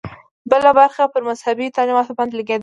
بله برخه پر مذهبي تعلیماتو باندې لګېدله.